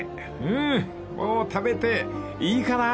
うーんもう食べていいかな？］